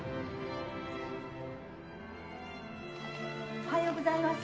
おはようございます。